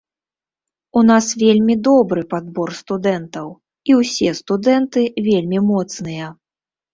У нас вельмі добры падбор студэнтаў, і ўсе студэнты вельмі моцныя.